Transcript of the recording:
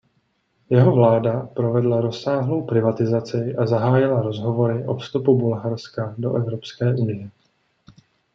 Jeho vláda provedla rozsáhlou privatizaci a zahájila rozhovory o vstupu Bulharska do Evropské unie.